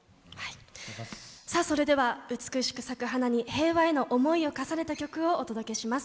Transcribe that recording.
さあそれでは美しく咲く花に平和への思いを重ねた曲をお届けします。